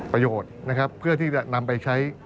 ประโยชน์นะครับเพื่อที่จะนำไปใช้